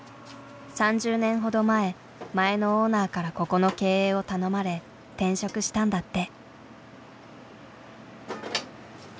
３０年ほど前前のオーナーからここの経営を頼まれ転職したんだって。